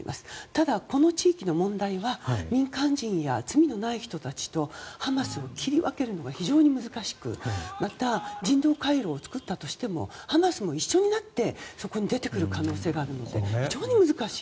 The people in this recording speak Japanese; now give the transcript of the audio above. ただ、この地域の問題は民間人や罪のない人たちとハマスを切り分けるのが非常に難しくまた、人道回廊を作ったとしてもハマスも一緒になってそこに出てくる可能性があるので非常に難しい。